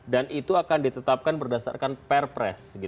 dan itu akan ditetapkan berdasarkan perpres